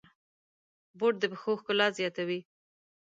بوټ د پښو ښکلا زیاتوي.